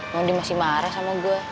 mondi masih marah sama saya